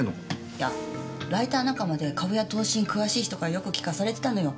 いやライター仲間で株や投資に詳しい人からよく聞かされてたのよ。